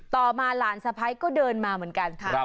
ต่อมาหลานสะพ้ายก็เดินมาเหมือนกันค่ะ